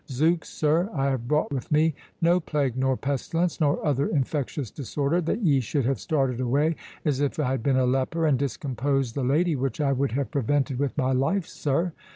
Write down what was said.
Zooks, sir, I have brought with me no plague, nor pestilence, nor other infectious disorder, that ye should have started away as if I had been a leper, and discomposed the lady, which I would have prevented with my life, sir.